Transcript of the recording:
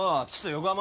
横浜？